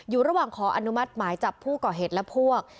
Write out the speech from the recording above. อยู่ระหว่างขออนุมัติหมายจับผู้ก่อเหตุและพวก